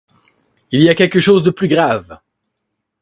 Il y a quelque chose de plus grave.